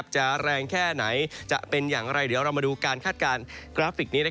จะแรงแค่ไหนจะเป็นอย่างไรเดี๋ยวเรามาดูการคาดการณ์กราฟิกนี้